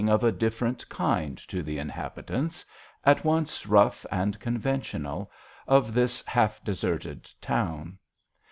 of a different kind to the inhabitants at once rough and conventional of this half deserted town.